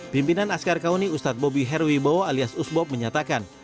pimpinan askar kauni ustadz bobi herwibowo alias usbob menyatakan